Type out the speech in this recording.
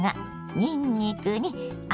にんにくに赤